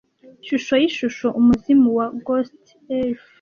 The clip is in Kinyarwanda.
Ishusho y'Ishusho, Umuzimu wa Ghostly Elf,